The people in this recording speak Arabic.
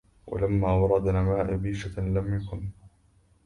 ولما وردنا ماء بيشة لم يكن